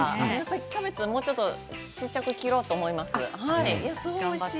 キャベツもうちょっと小さく切ろうと思います頑張って。